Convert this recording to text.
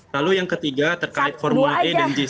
lalu yang ketiga terkait formula e dan j